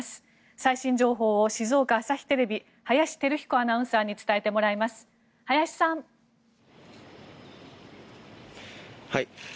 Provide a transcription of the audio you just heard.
最新情報を静岡朝日テレビの林輝彦アナウンサーに伝えてもらいます。